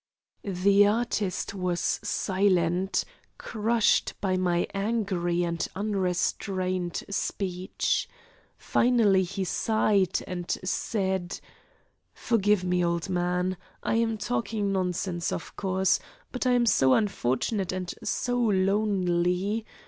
'" The artist was silent, crushed by my angry and unrestrained speech. Finally he sighed and said: "Forgive me, old man; I am talking nonsense, of course, but I am so unfortunate and so lonely.